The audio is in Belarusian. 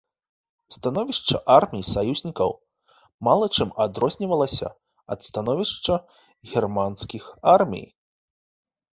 Становішча армій саюзнікаў мала чым адрознівалася ад становішча германскіх армій.